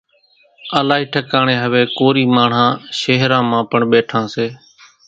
الائِي ٺڪاڻين هويَ ڪوري ماڻۿان شيۿران مان پڻ ٻيٺان سي۔